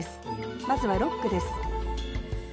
まずは六句です